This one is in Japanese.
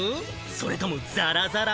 それともザラザラ？